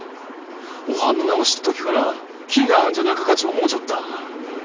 おはんの名を知った時から気が合うんじゃなかかち思うちょった。